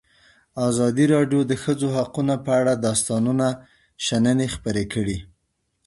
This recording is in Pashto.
ازادي راډیو د د ښځو حقونه په اړه د استادانو شننې خپرې کړي.